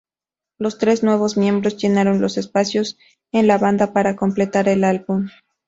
Los tres nuevos miembros llenaron los espacios en la banda para completar el álbum.